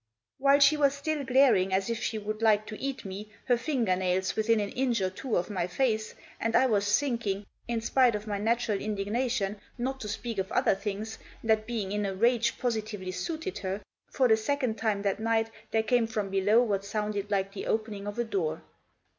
While she was still glaring as if she would like to eat me, her finger nails within an inch or two of my face, and I was thinking, in spite of my natural indigna tion, not to speak of other things, that being in a rage positively suited her, for the second time that night, there came from below what sounded like the opening of a door.